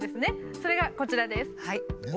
それがこちらです。